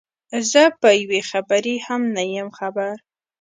زه په یوې خبرې هم نه یم خبر.